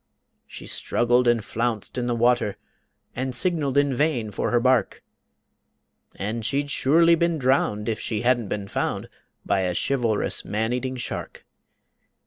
She struggled and flounced in the water And signaled in vain for her bark, And she'd surely been drowned if she hadn't been found By a chivalrous man eating shark.